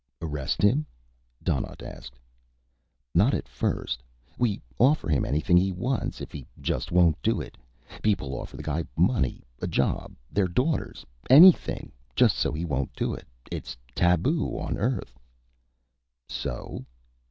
"Arrest him?" Donnaught asked. "Not at first. We offer him anything he wants, if he just won't do it. People offer the guy money, a job, their daughters, anything, just so he won't do it. It's taboo on Earth." "So?"